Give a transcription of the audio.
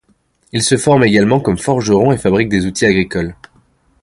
Il se forme également comme forgeron et fabrique des outils agricoles.